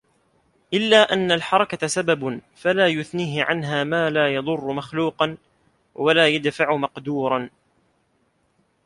إلَّا أَنَّ الْحَرَكَةَ سَبَبٌ فَلَا يُثْنِيهِ عَنْهَا مَا لَا يَضُرُّ مَخْلُوقًا وَلَا يَدْفَعُ مَقْدُورًا